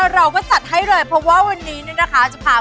เราก็จัดให้เลยเพราะว่าวันนี้เนี่ยนะคะจะพา